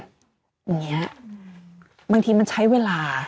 อยู่แบบเนี้ยบางทีมันใช้เวลา